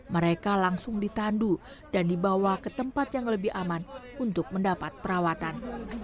mereka langsung ditandu dan dibawa ke tempat yang lebih aman untuk mendapat perawatan